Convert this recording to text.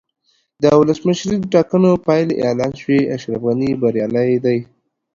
د ولسمشریزو ټاکنو پایلې اعلان شوې، اشرف غني بریالی دی.